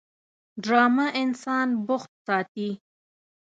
ډرامه انسان بوخت ساتي